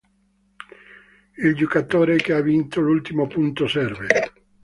Il giocatore che ha vinto l'ultimo punto serve.